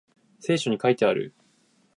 聖書に書いてある